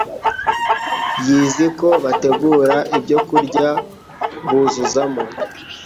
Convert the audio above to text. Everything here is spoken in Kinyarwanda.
y’iziko bategura ibyokurya buzuzamo